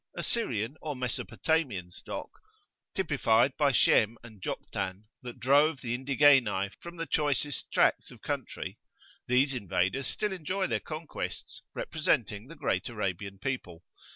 A Syrian or Mesopotamian stock, typified by Shem and Joktan, that drove the Indigenae from the choicest tracts of country; these invaders still enjoy their conquests, representing the great Arabian people.